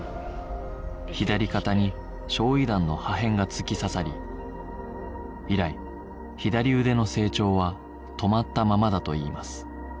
左肩に焼夷弾の破片が突き刺さり以来左腕の成長は止まったままだといいます